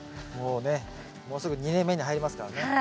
もうねもうすぐ２年目に入りますからね。